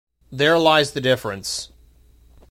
There lies the difference.